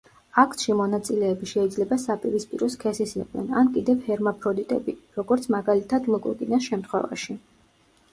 აქტში მონაწილეები შეიძლება საპირისპირო სქესის იყვნენ, ან კიდევ ჰერმაფროდიტები, როგორც მაგალითად ლოკოკინას შემთხვევაში.